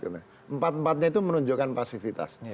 empat empatnya itu menunjukkan pasifitas